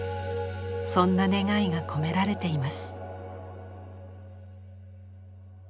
そんな願いが込められています。